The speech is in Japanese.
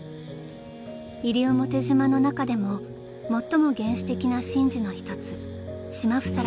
［西表島の中でも最も原始的な神事の一つ］